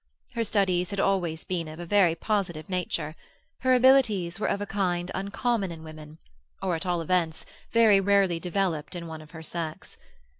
Her studies had always been of a very positive nature; her abilities were of a kind uncommon in women, or at all events very rarely developed in one of her sex.